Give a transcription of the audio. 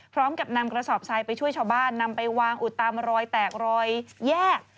พร้อมกับนำกระสอบทรายไปช่วยชาวบ้านนำไปวางอุดตามรอยแตกรอยแยก